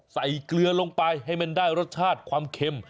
เกลือลงไปให้มันได้รสชาติความเค็ม